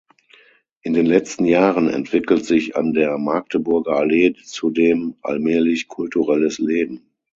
In den letzten Jahren entwickelt sich an der Magdeburger Allee zudem allmählich kulturelles Leben.